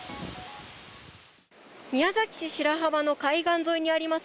宮崎市白浜の海岸沿いにあります